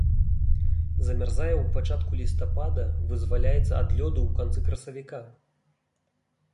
Замярзае ў пачатку лістапада, вызваляецца ад лёду ў канцы красавіка.